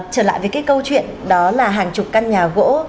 trở lại với cái câu chuyện đó là hàng chục căn nhà gỗ